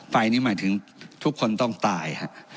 ไปนี่หมายถึงทุกคนต้องตาย